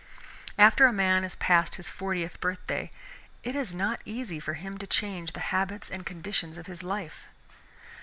After a man has passed his fortieth birthday it is not easy for him to change the habits and conditions of his life.